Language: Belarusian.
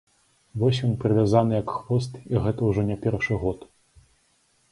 Вось ён прывязаны, як хвост, і гэта ўжо не першы год.